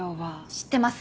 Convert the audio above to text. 知ってます。